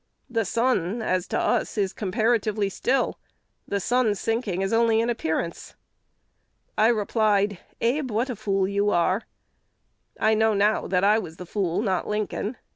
The sun, as to us, is comparatively still; the sun's sinking is only an appearance.' I replied, 'Abe, what a fool you are!' I know now that I was the fool, not Lincoln.